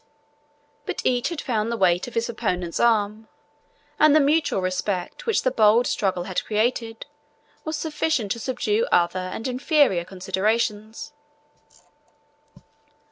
But each had found the weight of his opponent's arm, and the mutual respect which the bold struggle had created was sufficient to subdue other and inferior considerations.